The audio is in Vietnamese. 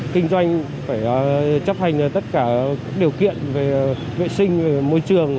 kinh doanh phải chấp hành tất cả các điều kiện về vệ sinh môi trường